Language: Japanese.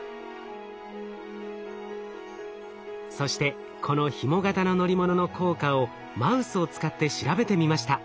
そしてこのひも型の乗り物の効果をマウスを使って調べてみました。